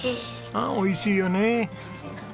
ああおいしいよねえ。